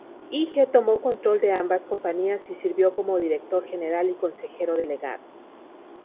Ig tomó control de ambas compañías y sirvió como director general y consejero delegado.